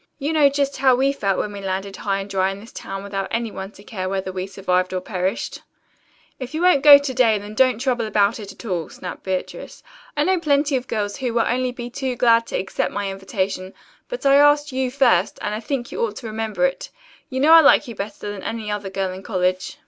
You know just how we felt when we landed high and dry in this town without any one to care whether we survived or perished." "If you won't go to day, then don't trouble about it at all," snapped Beatrice. "I know plenty of girls who will be only too glad to accept my invitation, but I asked you first, and I think you ought to remember it. You know I like you better than any other girl in college."